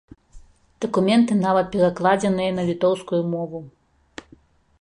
Дакументы нават перакладзеныя на літоўскую мову.